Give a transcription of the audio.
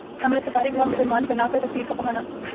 عمل سے فارغ ہوا مسلماں بنا کر تقدیر کا بہانہ